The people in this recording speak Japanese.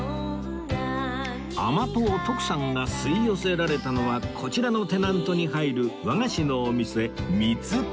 甘党徳さんが吸い寄せられたのはこちらのテナントに入る和菓子のお店